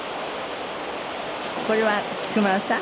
これは菊丸さん？